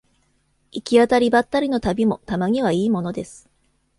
行き当たりばったりの旅もたまにはいいものです